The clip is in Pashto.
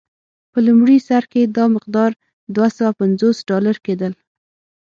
په لومړي سر کې دا مقدار دوه سوه پنځوس ډالر کېدل.